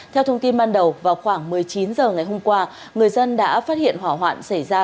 theo thông tin ban đầu vào khoảng một mươi chín h ngày hôm qua người dân đã phát hiện hỏa hoạn xảy ra